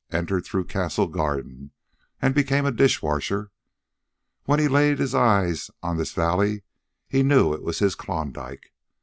Entered through Castle Garden and became a dish washer. When he laid eyes on this valley he knew it was his Klondike.